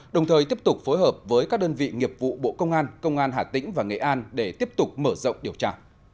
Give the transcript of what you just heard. đồng thời tiếp tục phối hợp với các đơn vị nghiệp vụ bộ công an công an hà tĩnh và nghệ an để tiếp tục mở rộng điều tra